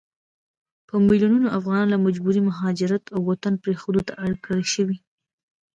په ميلونونو افغانان له مجبوري مهاجرت او وطن پريښودو ته اړ کړل شوي